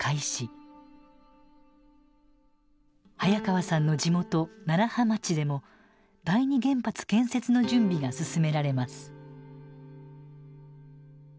早川さんの地元楢葉町でも第二原発建設の準備が進められます。